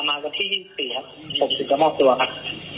ประมาณวันที่๒๔ผมจะมอบตัวครับ